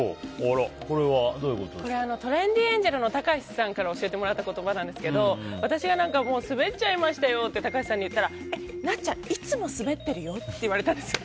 これはトレンディエンジェルのたかしさんから教えてもらったんですけど私がスベっちゃいましたよってたかしさんに言ったらなっちゃんいつもスベってるよって言われたんですよ。